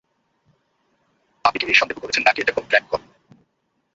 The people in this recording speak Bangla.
আপনি কী এই সন্দেহ করেছেন না কী এটা কোন ক্র্যাঙ্ক কল?